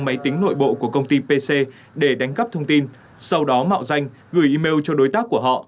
máy tính nội bộ của công ty pc để đánh cắp thông tin sau đó mạo danh gửi email cho đối tác của họ